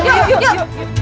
tidak ada yang lain